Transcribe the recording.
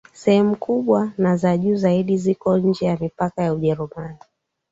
Sehemu kubwa na za juu zaidi ziko nje ya mipaka ya Ujerumani